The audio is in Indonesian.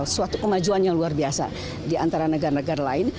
suatu kemajuan yang luar biasa di antara negara negara lain